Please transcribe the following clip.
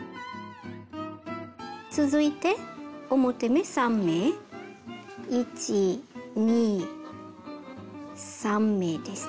続いて表目３目１２３目ですね。